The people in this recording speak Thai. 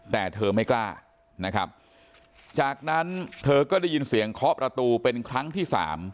แต่เธอไม่กล้านะครับจากนั้นเธอก็ได้ยินเสียงเคาะประตูเป็นครั้งที่สาม